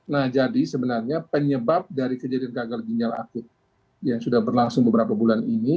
nah jadi sebenarnya penyebab dari kejadian gagal ginjal akut yang sudah berlangsung beberapa bulan ini